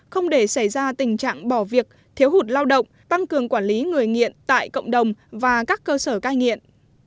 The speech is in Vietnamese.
không để xảy ra tình trạng bỏ việc thiếu hụt lao động tăng cường quản lý người nghiện tại cộng đồng và các cơ sở cai nghiện